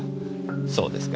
そうですか。